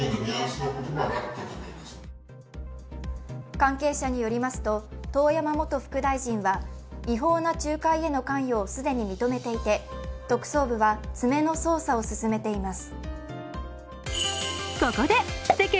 関係者によりますと、遠山元副大臣は違法な仲介への関与を既に認めていて特捜部は詰めの捜査を進めています。